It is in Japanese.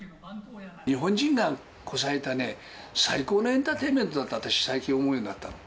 日本人がこさえた最高のエンターテインメントだって、私、最近思うようになったの。